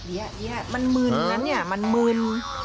เนี่ยมันมึนนะเนี่ยมันมึน